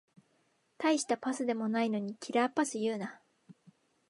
たいしたパスでもないのにキラーパス言うな